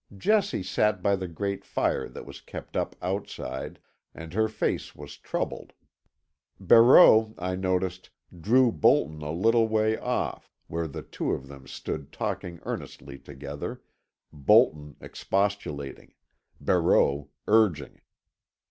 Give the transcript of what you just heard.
Jessie sat by the great fire that was kept up outside, and her face was troubled. Barreau, I noticed, drew Bolton a little way off, where the two of them stood talking earnestly together, Bolton expostulating, Barreau urging.